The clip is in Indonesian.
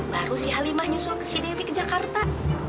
baru si halimah nyusul ke si dewi ke jakarta